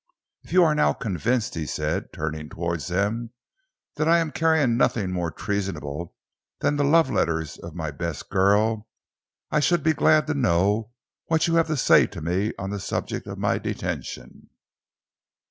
"If you are now convinced," he said, turning towards them, "that I am carrying nothing more treasonable than the love letters of my best girl, I should be glad to know what you have to say to me on the subject of my detention?"